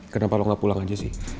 kenapa lo gak pulang aja sih